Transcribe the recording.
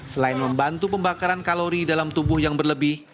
selain membantu pembakaran kalori dalam tubuh yang berlebih